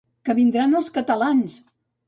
Que vindran els catalans!